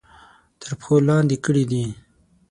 تر پښو لاندې کړي دي.